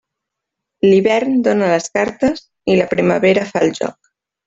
L'hivern dóna les cartes i la primavera fa el joc.